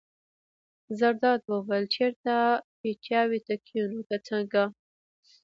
زرداد وویل: چېرته پیتاوي ته کېنو که څنګه.